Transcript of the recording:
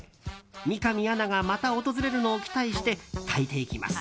三上アナがまた訪れるのを期待して炊いていきます。